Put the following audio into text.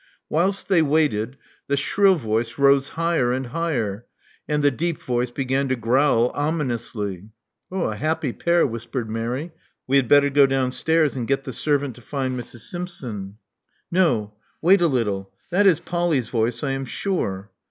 Whilst they waited, the shrill voice rose higher and higher; and the deep voice began to growl ominously. A happy pair," whispered Mary. We had better go downstairs and get the servant to find Mrs. Simpson." No: wait a little. That is Polly's voice, I am sure.